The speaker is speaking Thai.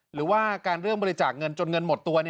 หรือว่าการเรื่องบริจาคเงินจนเงินหมดตัว